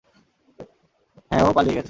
হ্যাঁ, ও পালিয়ে গেছে।